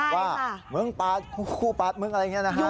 ว่าเมื่องเพราะฟูปลาดเมื่องอะไรอย่างนี้นะครับ